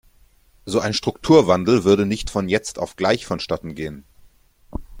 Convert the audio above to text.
So ein Strukturwandel würde nicht von jetzt auf gleich vonstatten gehen.